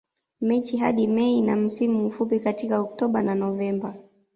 Machi hadi Mei na msimu mfupi katika Oktoba na Novemba